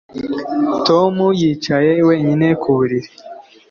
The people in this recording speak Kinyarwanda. Tom yicaye wenyine ku buriri